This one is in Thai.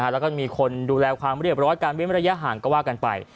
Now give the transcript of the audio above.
แล้วก็มีคนดูแลความเรียบร้อยการเว้นระยะห่างก็ว่ากันไป